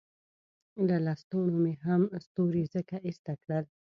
له لستوڼو مې هم ستوري ځکه ایسته کړل.